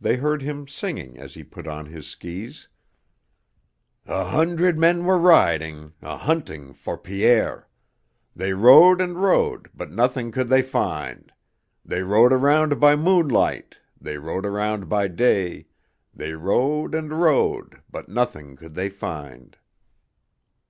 They heard him singing as he put on his skis: A hundred men were riding, A hunting for Pierre. They rode and rode, but nothing could they find. They rode around by moonlight; They rode around by day; They rode and rode, but nothing could they find.